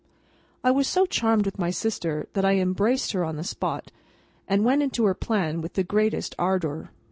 I was so charmed with my sister, that I embraced her on the spot, and went into her plan with the greatest ardour.